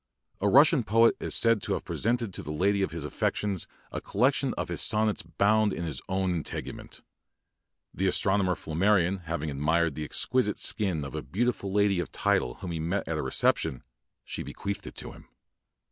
A Russian poet is said to have presented to the lady of his affections a collection of hia son nets bound in his own integument. The astronomer Flammarion having THE BOOKMAN admired the exquisite skin of a beau tiful lady of title whom he met at a reception, she bequeathed it to him.